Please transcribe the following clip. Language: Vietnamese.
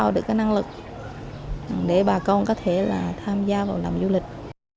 để bà con có thể tham gia vào làm du lịch